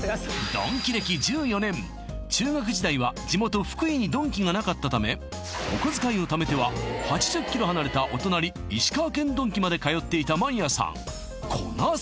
はい中学時代は地元福井にドンキがなかったためお小遣いをためては８０ｋｍ離れたお隣石川県ドンキまで通っていたマニアさん